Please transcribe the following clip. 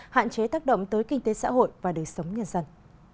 hạn chế tác động tới kinh tế xã hội và đời sống nhân dân